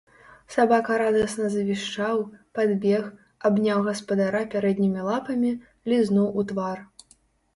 Сабака радасна завішчаў, падбег, абняў гаспадара пярэднімі лапамі, лізнуў у твар.